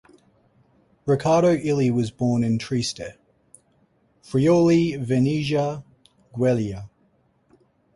Riccardo Illy was born in Trieste, Friuli-Venezia Giulia.